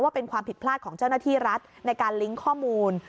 เป็นความผิดพลาดของเจ้าหน้าที่รัฐในการลิงก์ข้อมูล